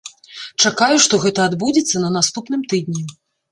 Чакаю, што гэта адбудзецца на наступным тыдні.